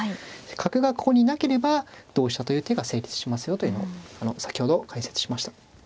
角がここにいなければ同飛車という手が成立しますよというのを先ほど解説しました。